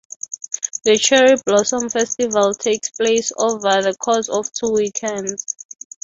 The Cherry Blossom Festival takes place over the course of two weekends.